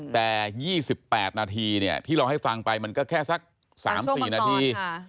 แต่๒๘นาทีที่เราให้ฟังไปมันก็แค่สัก๓๔นาที